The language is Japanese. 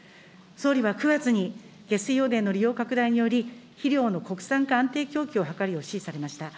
総理は９月に下水汚泥の利用拡大により、肥料の国産化、安定供給を図るよう指示されました。